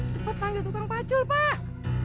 cepat panggil tukang pacul pak